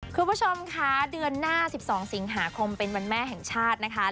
คุณผู้ชมคะเดือนหน้า๑๒สิงหาคมเป็นวันแม่แห่งชาตินะคะ